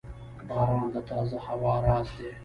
• باران د تازه هوا راز دی.